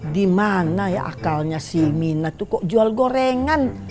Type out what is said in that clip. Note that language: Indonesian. di mana ya akalnya si mina tuh kok jual gorengan